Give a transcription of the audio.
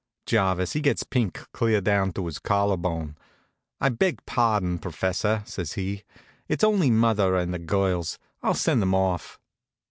Jarvis, he gets pink clear down to his collarbone. "I beg pardon, professor," says he. "It's only mother and the girls. I'll send them off."